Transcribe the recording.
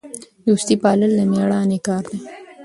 دوستي پالل د میړانې کار دی.